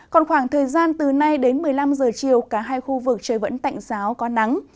còn khoảng thời gian từ nay đến một mươi năm giờ chiều cả hai khu vực trời vẫn tạnh giáo có nắng